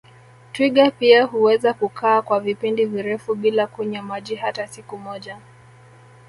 Twiga pia huweza kukaa kwa vipindi virefu bila kunywa maji hata siku moja